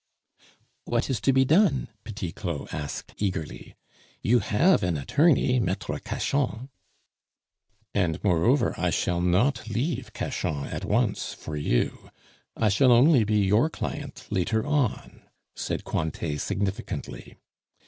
"What is to be done?" Petit Claud asked eagerly. "You have an attorney, Maitre Cachan " "And, moreover, I shall not leave Cachan at once for you; I shall only be your client later on," said Cointet significantly.